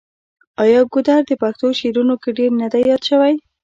آیا ګودر د پښتو شعرونو کې ډیر نه دی یاد شوی؟